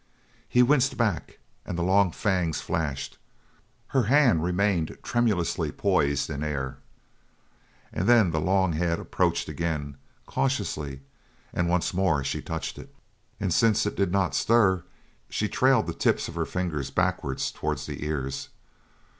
He winced back, and the long fangs flashed; her hand remained tremulously poised in air, and then the long head approached again, cautiously, and once more she touched it, and since it did not stir, she trailed the tips of her fingers backwards towards the ears.